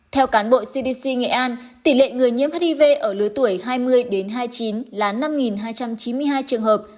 theo cán bộ cdc nghệ an tỷ lệ người nhiễm hiv ở lứa tuổi hai mươi đến hai mươi chín là năm hai trăm chín mươi hai trường hợp